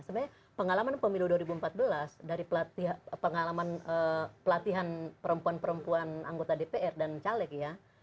sebenarnya pengalaman pemilu dua ribu empat belas dari pengalaman pelatihan perempuan perempuan anggota dpr dan caleg ya